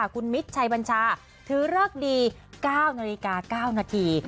คุณมิตรชัยบัญชาถือเลิกดี๙นาฬิกา๙นาที